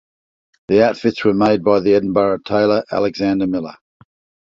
The outfits were made by the Edinburgh tailor Alexander Miller.